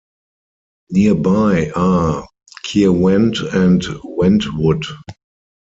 Nearby are Caerwent and Wentwood.